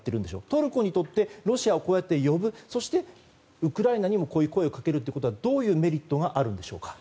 トルコにとってロシアをこうやって呼んでそしてウクライナにも声をかけるということはどういうメリットがあるんでしょうか。